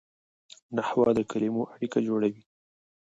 نحوه د کلیمو اړیکه جوړوي.